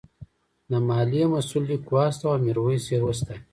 د مالیې مسوول لیک واستاوه او میرويس یې وستایه.